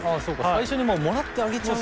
最初にもうもらってあげちゃう。